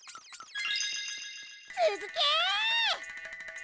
つづけ！